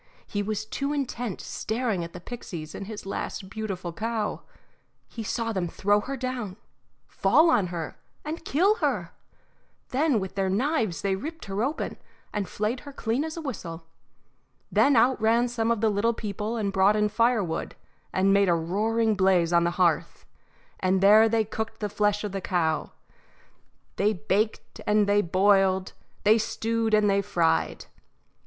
He was too intent staring at the pixies and his last beautiful cow. He saw them throw her down, fall on her, and kill her; then with their knives they ripped her open, and flayed her as clean as a whistle. Then out ran some of the little people and brought in firewood and made a roaring blaze on the hearth, and there they cooked the flesh of the cow they baked and they boiled, they stewed and they fried.